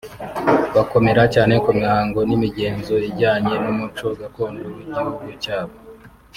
bakomera cyane ku mihango n’imigenzo ijyanye n’umuco gakondo w’igihugu cyabo